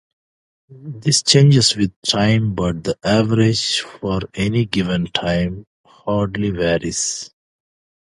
This changes with time but the average for any given time hardly varies.